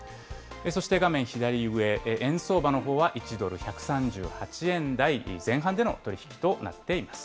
そして画面左上、円相場のほうは１ドル１３８円台前半での取り引